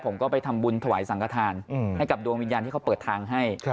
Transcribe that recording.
ผมก็ไปทำบุญถวายสังกฐานให้กับดวงวิญญาณที่เขาเปิดทางให้